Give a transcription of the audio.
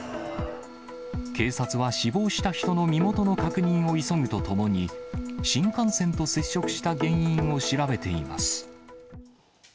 警察は死亡した人の身元の確認を急ぐとともに、新幹線と接触した原因を調べています。